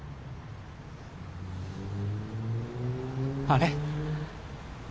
あれ？